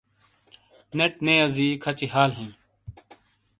نیٹ نے یزی کھچی حال ہی۔